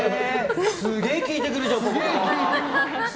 すげえ聞いてくるじゃん。